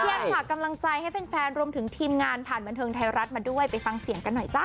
พี่แอนขากำลังใจให้เพื่อนแฟนรวมถึงทีมงานผ่านบรรเทิงไทยรัสมาด้วยไปฟังเสียงกันหน่อยจ้ะ